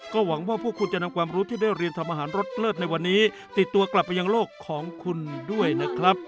ก็หวังว่าพวกคุณจะนำความรู้ที่ได้เรียนทำอาหารรสเลิศในวันนี้ติดตัวกลับไปยังโลกของคุณด้วยนะครับ